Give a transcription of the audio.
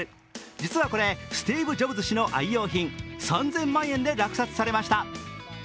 実はこれ、スティーブ・ジョブズ氏の愛用品、３０００万円で落札されました。